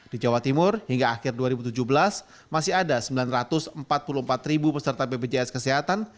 di jawa timur hingga akhir dua ribu tujuh belas masih ada sembilan ratus empat puluh empat ribu peserta bpjs kesehatan